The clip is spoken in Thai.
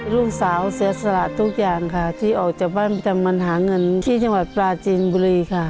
ลูกสาวเสียสละทุกอย่างค่ะที่ออกจากบ้านประจำวันหาเงินที่จังหวัดปลาจีนบุรีค่ะ